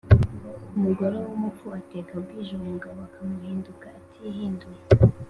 Umugore w’umupfu ateka bwije, umugabo akamuhinduka atihinduye.